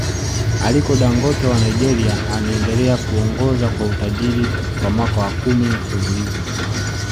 Aliko Dangote wa Nigeria anaendelea kuongoza kwa utajiri kwa mwaka wa Kumi mfululizo